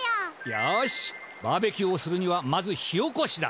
よしバーベキューをするにはまず火おこしだ！